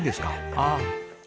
ああ。